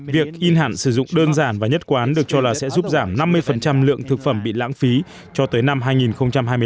việc in hạn sử dụng đơn giản và nhất quán được cho là sẽ giúp giảm năm mươi lượng thực phẩm bị lãng phí cho tới năm hai nghìn hai mươi năm